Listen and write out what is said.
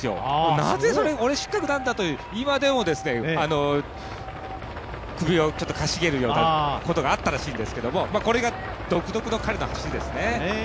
なぜこれ、失格なんだと今でも首をちょっとかしげるようなことがあったらしいんですけどこれが独特の彼の走りですね。